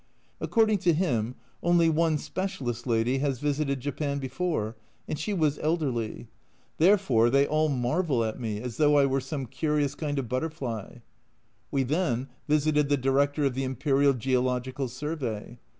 According to him only one " specialist" lady has visited Japan before, and she was elderly. Therefore 8 A Journal from Japan they all marvel at me, as though I were some curious kind of butterfly I We then visited the Director of the Imperial Geological Survey.